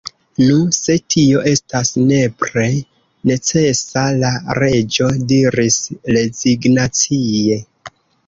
« Nu, se tio estas nepre necesa," la Reĝo diris rezignacie.